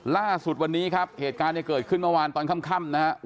ล่าสุดวันนี้ครับเหตุการณ์เนี่ยเกิดขึ้นเมื่อวานตอนค่ำนะฮะ